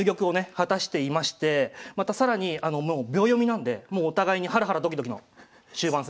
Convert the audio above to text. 果たしていましてまた更にもう秒読みなんでもうお互いにハラハラドキドキの終盤戦ですね。